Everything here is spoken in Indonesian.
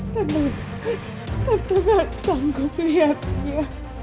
tentu tentu gak sanggup lihatnya